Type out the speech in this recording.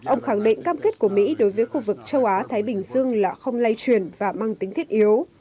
ông khẳng định cam kết của mỹ đối với khu vực châu á thái bình dương là không lây truyền và mang tính thiết yếu